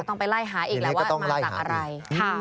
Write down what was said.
ต้องไปไล่หาอีกแหละว่ามาจากอะไร